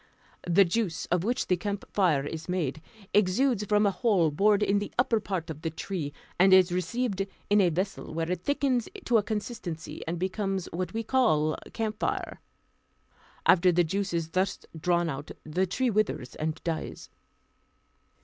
The juice, of which the camphire is made, exudes from a hole bored in the upper part of the tree, and is received in a vessel, where it thickens to a consistency, and becomes what we call camphire. After the juice is thus drawn out, the tree withers and dies.